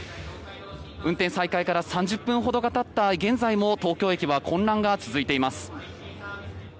運転再開から３０分ほどがたった現在も東京駅は混乱が続いています。